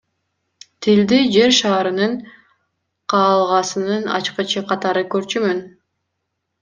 Тилди Жер шарынын каалгасынын ачкычы катары көрчүмүн.